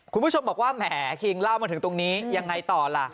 คุณผู้ชมบอกว่าแหมคิงเล่ามาถึงตรงนี้ยังไงต่อล่ะ